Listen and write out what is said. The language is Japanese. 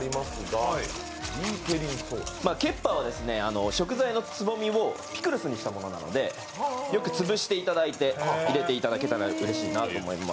ケッパーは食材のつぼみをピクルスにしたものなのでよく潰していただいて入れていただけたらうれしいなと思います。